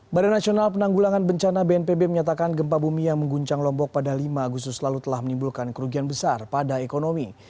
badan nasional penanggulangan bencana bnpb menyatakan gempa bumi yang mengguncang lombok pada lima agustus lalu telah menimbulkan kerugian besar pada ekonomi